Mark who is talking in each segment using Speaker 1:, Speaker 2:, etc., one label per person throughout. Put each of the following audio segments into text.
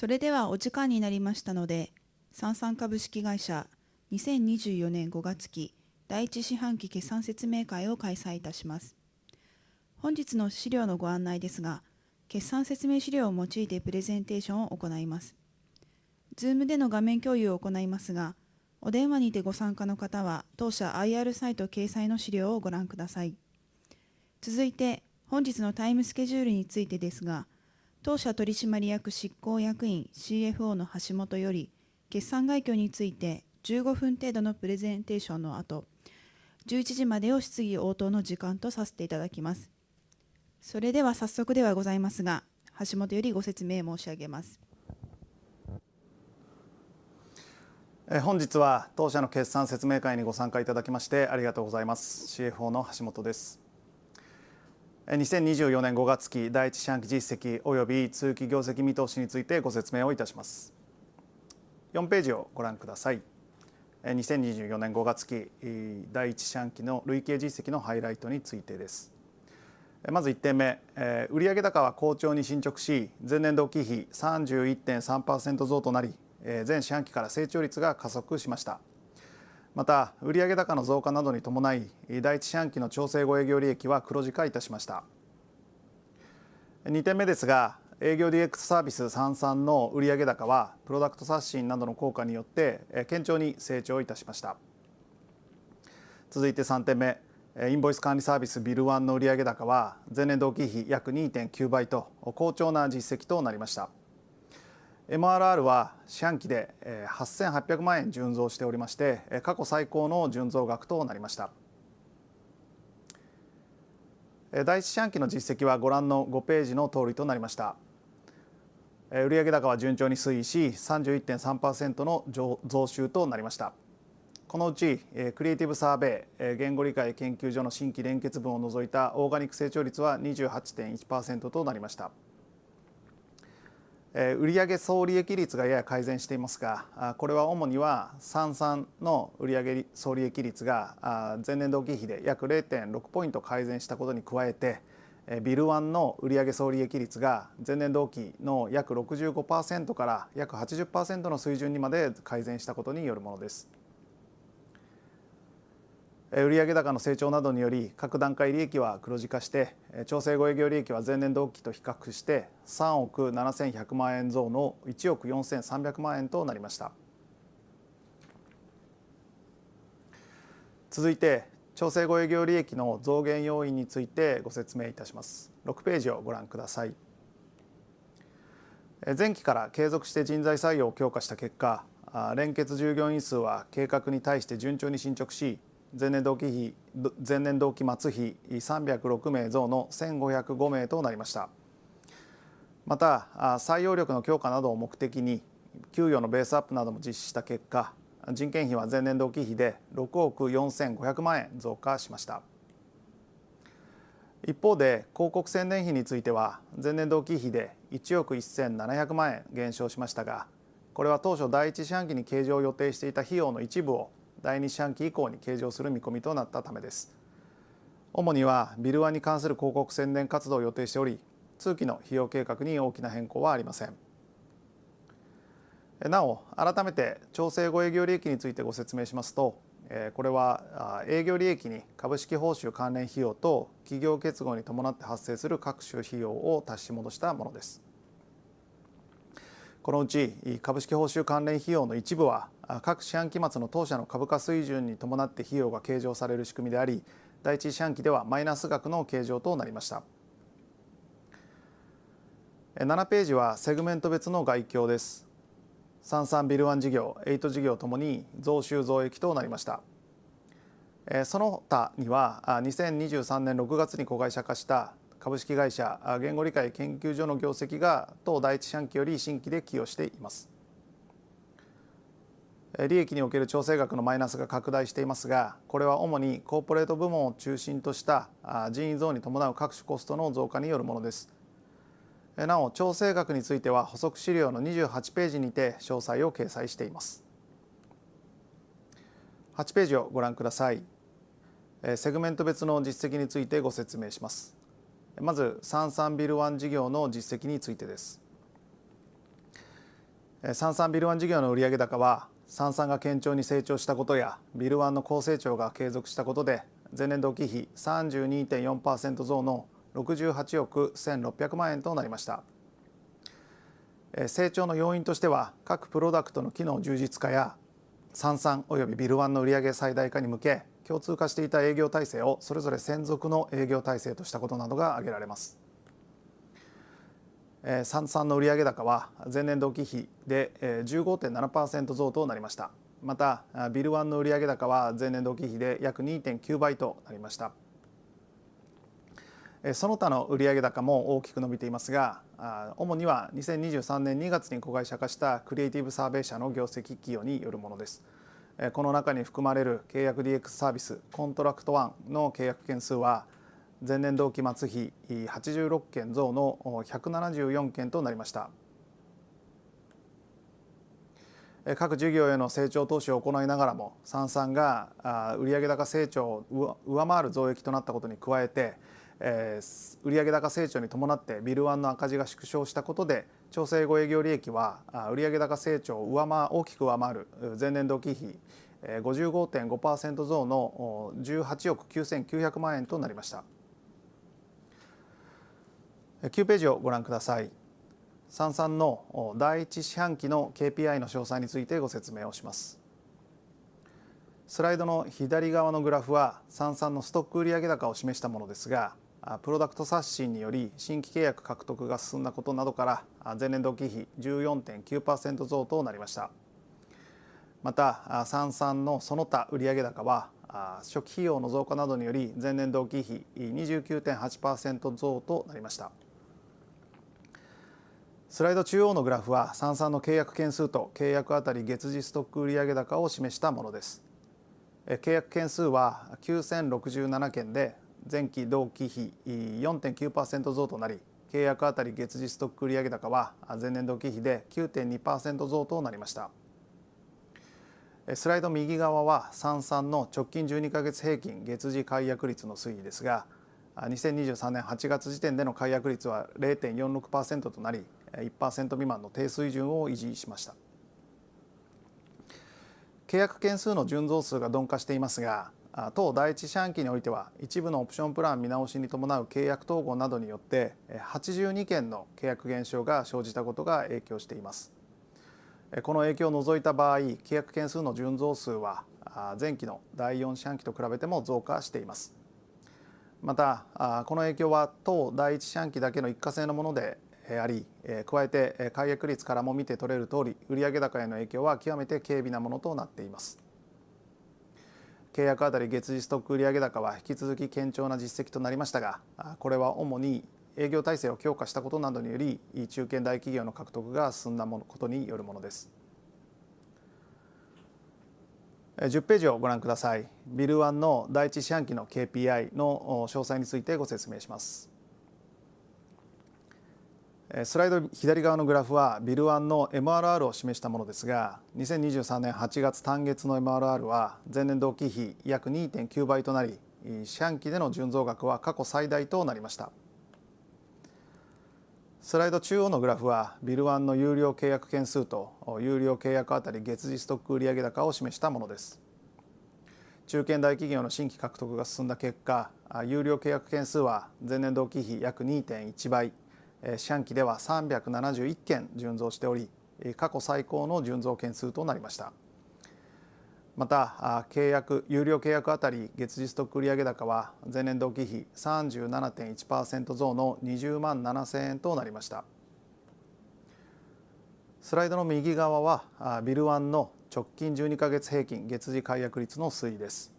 Speaker 1: それでは、お時間になりましたので、サンサン株式会社2024年5月期第1四半期決算説明会を開催いたします。本日の資料のご案内ですが、決算説明資料を用いてプレゼンテーションを行います。ZOOM での画面共有を行いますが、お電話にてご参加の方は当社 IR サイト掲載の資料をご覧ください。続いて、本日のタイムスケジュールについてですが、当社取締役執行役員 CFO の橋本より、決算概況について15分程度のプレゼンテーションの後、11時までを質疑応答の時間とさせていただきます。それでは早速ではございますが、橋本よりご説明申し上げます。
Speaker 2: 本日は当社の決算説明会にご参加いただきまして、ありがとうございます。CFO の橋本です。2024年5月期第1四半期実績および通期業績見通しについてご説明をいたします。4ページをご覧ください。2024年5月期第1四半期の累計実績のハイライトについてです。まず、1点目、売上高は好調に進捗し、前年同期比 31.3% 増となり、前四半期から成長率が加速しました。また、売上高の増加などに伴い、第1四半期の調整後営業利益は黒字化いたしました。2点目ですが、営業 DX サービスサンサンの売上高は、プロダクトサクションなどの効果によって堅調に成長いたしました。続いて3点目、インボイス管理サービス BILL ONE の売上高は前年同期比約 2.9 倍と好調な実績となりました。MRR は四半期で 8,800 万円純増しており、過去最高の純増額となりました。第1四半期の実績はご覧の5ページの通りとなりました。売上高は順調に推移し、31.3% の増収となりました。このうちクリエイティブサーベイ言語理解研究所の新規連結分を除いたオーガニック成長率は 28.1% となりました。売上総利益率がやや改善していますが、これは主には Sansan の売上総利益率が前年同期比で約 0.6 ポイント改善したことに加えて、BILL ONE の売上総利益率が前年同期の約 65% から約 80% の水準にまで改善したことによるものです。売上高の成長などにより、各段階利益は黒字化して、調整後営業利益は前年同期と比較して ¥371,000,000 増の ¥143,000,000 となりました。続いて、調整後営業利益の増減要因についてご説明いたします。6ページをご覧ください。前期から継続して人材採用を強化した結果、連結従業員数は計画に対して順調に進捗し、前年同期比、前年同期末比306名増の 1,505 名となりました。また、採用力の強化などを目的に給与のベースアップなども実施した結果、人件費は前年同期比で ¥645,000,000 増加しました。一方で、広告宣伝費については前年同期比で1億 1,700 万円減少しましたが、これは当初、第1四半期に計上を予定していた費用の一部を第2四半期以降に計上する見込みとなったためです。主には BILL ONE に関する広告宣伝活動を予定しており、通期の費用計画に大きな変更はありません。なお、改めて調整後営業利益についてご説明しますと、これは営業利益に株式報酬関連費用と企業結合に伴って発生する各種費用を足し戻したものです。このうち、株式報酬関連費用の一部は、各四半期末の当社の株価水準に伴って費用が計上される仕組みであり、第1四半期ではマイナス額の計上となりました。7ページはセグメント別の概況です。Sansan、BILL ONE 事業、Eight 事業ともに増収増益となりました。その他には、2023年6月に子会社化した株式会社言語理解研究所の業績が当第1四半期より新規で寄与しています。利益における調整額のマイナスが拡大していますが、これは主にコーポレート部門を中心とした人員増に伴う各種コストの増加によるものです。なお、調整額については補足資料の28ページにて詳細を掲載しています。8ページをご覧ください。セグメント別の実績についてご説明します。まず、サンサン BILL ONE 事業の実績についてです。サンサン BILL ONE 事業の売上高は、サンサンが堅調に成長したことや、BILL ONE の高成長が継続したことで、前年同期比 32.4% 増の68億 1,600 万円となりました。成長の要因としては、各プロダクトの機能充実化や Sansan および Bill One の売上最大化に向け、共通化していた営業体制をそれぞれ専属の営業体制としたことなどが挙げられます。Sansan の売上高は前年同期比で 15.7% 増となりました。また、Bill One の売上高は前年同期比で約 2.9 倍となりました。その他の売上高も大きく伸びていますが、主には2023年2月に子会社化したクリエイティブサーベイ社の業績寄与によるものです。この中に含まれる契約 DX サービス、コントラクトワンの契約件数は前年同期末比86件増の174件となりました。各事業への成長投資を行いながらも、サンサンが売上高成長を上回る増益となったことに加えて、売上高成長に伴ってビルワンの赤字が縮小したことで、調整後営業利益は売上高成長を上回る、大きく上回る前年同期比 55.5% 増の18億 9,900 万円となりました。9ページをご覧ください。サンサンの第1四半期の KPI の詳細についてご説明をします。スライドの左側のグラフは、サンサンのストック売上高を示したものですが、プロダクトサクシーにより新規契約獲得が進んだことなどから、前年同期比 14.9% 増となりました。また、サンサンのその他売上高は初期費用の増加などにより、前年同期比 29.8% 増となりました。スライド中央のグラフは、サンサンの契約件数と契約あたり月次ストック売上高を示したものです。契約件数は 9,067 件で、前期同期比 4.9% 増となり、契約あたり月次ストック売上高は前年同期比で 9.2% 増となりました。スライド右側はサンサンの直近12ヶ月平均月次解約率の推移ですが、2023年8月時点での解約率は 0.46% となり、1% 未満の低水準を維持しました。契約件数の純増数が鈍化していますが、当第一四半期においては、一部のオプションプラン見直しに伴う契約統合などによって82件の契約減少が生じたことが影響しています。この影響を除いた場合、契約件数の純増数は前期の第四四半期と比べても増加しています。また、この影響は当第一四半期だけの一過性のものであり、加えて解約率からも見て取れるとおり、売上高への影響は極めて軽微なものとなっています。契約あたり月次ストック売上高は引き続き堅調な実績となりましたが、これは主に営業体制を強化したことなどにより、中堅大企業の獲得が進んだことによるものです。10ページをご覧ください。ビルワンの第1四半期の KPI の詳細についてご説明します。スライド左側のグラフはビルワンの MRR を示したものですが、2023年8月単月の MRR は前年同期比約 2.9 倍となり、四半期での純増額は過去最大となりました。スライド中央のグラフは、ビルワンの有料契約件数と有料契約あたり月次ストック売上高を示したものです。中堅大企業の新規獲得が進んだ結果、有料契約件数は前年同期比約 2.1 倍、四半期では371件純増しており、過去最高の純増件数となりました。また、契約、有料契約あたり月次ストック売上高は前年同期比 37.1% 増の20万7千円となりました。スライドの右側は、ビルワンの直近12ヶ月平均月次解約率の推移です。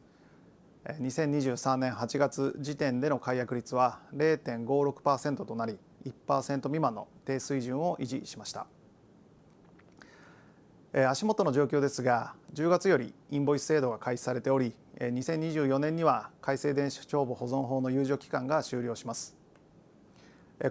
Speaker 2: 2023年8月時点での解約率は 0.56% となり、1% 未満の低水準を維持しました。足元の状況ですが、10月よりインボイス制度が開始されており、2024年には改正電子帳簿保存法の猶予期間が終了します。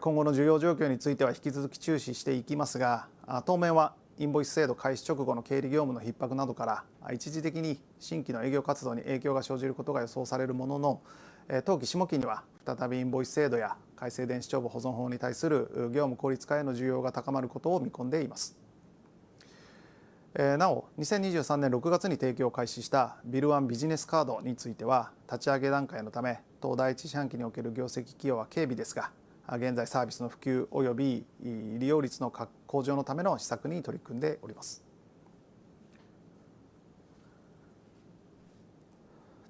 Speaker 2: 今後の需要状況については引き続き注視していきますが、当面はインボイス制度開始直後の経理業務の逼迫などから、一時的に新規の営業活動に影響が生じることが予想されるものの、当期下期には再びインボイス制度や改正電子帳簿保存法に対する業務効率化への需要が高まることを見込んでいます。なお、2023年6月に提供を開始したビルワンビジネスカードについては、立ち上げ段階のため、当第1四半期における業績寄与は軽微ですが、現在、サービスの普及および利用率の向上のための施策に取り組んでおります。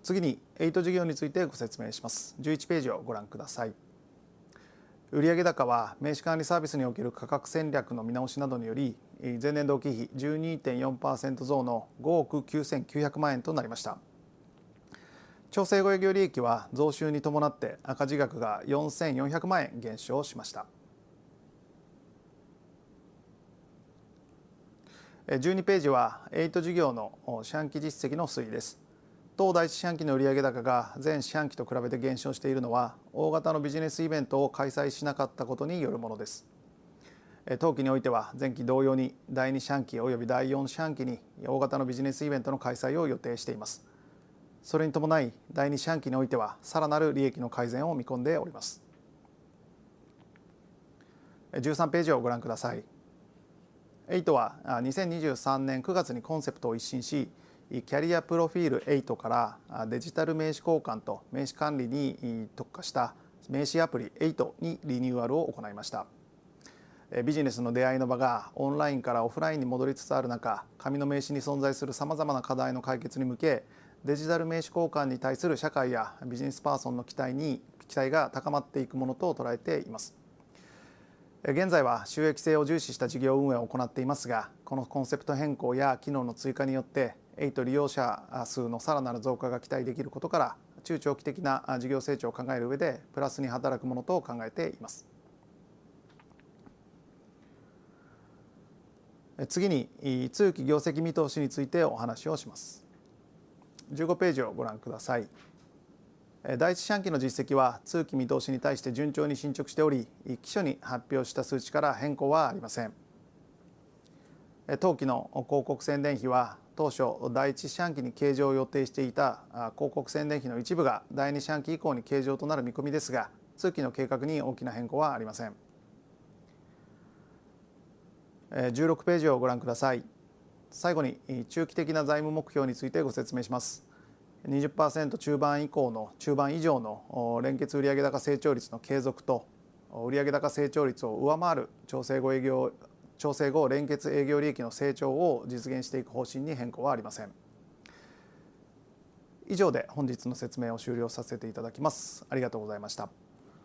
Speaker 2: 次に、エイト事業についてご説明します。11ページをご覧ください。売上高は名刺管理サービスにおける価格戦略の見直しなどにより、前年同期比 12.4% 増の5億 9,900 万円となりました。調整後、営業利益は増収に伴って赤字額が 4,400 万円減少しました。12ページはエイト事業の四半期実績の推移です。当第一四半期の売上高が前四半期と比べて減少しているのは、大型のビジネスイベントを開催しなかったことによるものです。当期においては、前期同様に第二四半期および第四四半期に大型のビジネスイベントの開催を予定しています。それに伴い、第二四半期においてはさらなる利益の改善を見込んでおります。13ページをご覧ください。エイトは2023年9月にコンセプトを一新し、キャリアプロフィールエイトからデジタル名刺交換と名刺管理に特化した名刺アプリエイトにリニューアルを行いました。ビジネスの出会いの場がオンラインからオフラインに戻りつつある中、紙の名刺に存在する様々な課題の解決に向け、デジタル名刺交換に対する社会やビジネスパーソンの期待が高まっていくものと捉えています。現在は収益性を重視した事業運営を行っていますが、このコンセプト変更や機能の追加によってエイト利用者数のさらなる増加が期待できることから、中長期的な事業成長を考える上でプラスに働くものと考えています。次に、通期業績見通しについてお話をします。15ページをご覧ください。第一四半期の実績は通期見通しに対して順調に進捗しており、期初に発表した数値から変更はありません。当期の広告宣伝費は、当初第一四半期に計上を予定していた広告宣伝費の一部が第二四半期以降に計上となる見込みですが、通期の計画に大きな変更はありません。16ページをご覧ください。最後に、中期的な財務目標についてご説明します。20% 中盤以降の中盤以上の連結売上高成長率の継続と、売上高成長率を上回る調整後営業、調整後連結営業利益の成長を実現していく方針に変更はありません。以上で本日の説明を終了させていただきます。ありがとうございました。